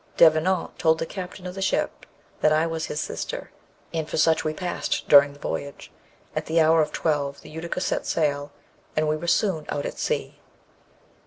Devenant told the captain of the ship that I was his sister, and for such we passed during the voyage. At the hour of twelve the Utica set sail, and we were soon out at sea.